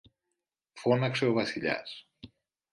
φώναξε ο Βασιλιάς.